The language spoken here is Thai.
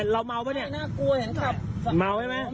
เราเมาหรือเปล่า